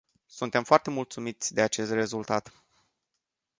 Suntem foarte mulțumiți de acest rezultat.